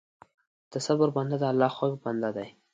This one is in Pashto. د صبر بنده د الله خوښ بنده دی.